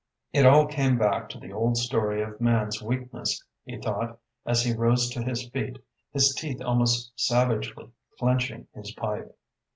It all came back to the old story of man's weakness, he thought, as he rose to his feet, his teeth almost savagely clenching his pipe.